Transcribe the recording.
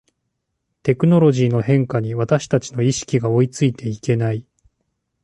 テクノロジーの変化に私たちの意識が追いついていけない